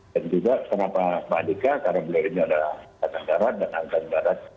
dan juga karena pak ndika karena beliau ini adalah kata kata dan angka barat